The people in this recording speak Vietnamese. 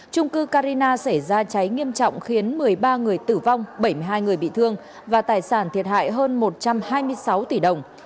trung cư carina xảy ra cháy nghiêm trọng khiến một mươi ba người tử vong bảy mươi hai người bị thương và tài sản thiệt hại hơn một trăm hai mươi sáu tỷ đồng